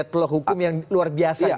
ini ada deadlock hukum yang luar biasa gitu ya